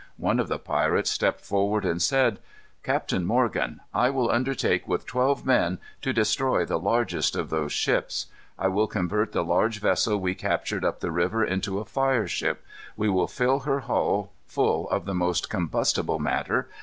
One of the pirates stepped forward, and said: "Captain Morgan, I will undertake, with twelve men, to destroy the largest of those ships. I will convert the large vessel we captured up the river into a fire ship. We will fill her full of the most combustible matter.